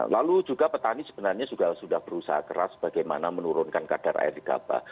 lalu juga petani sebenarnya sudah berusaha keras bagaimana menurunkan kadar air di gabah